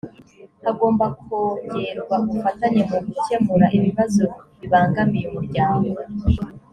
hagomba kongerwa ubufatanye mu gukemura ibibazo bibangamiye umuryango